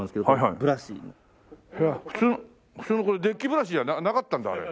普通のこれデッキブラシじゃなかったんだあれ。